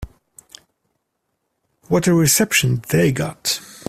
What a reception they got.